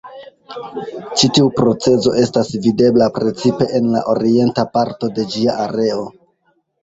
Ĉi tiu procezo estas videbla precipe en la orienta parto de ĝia areo.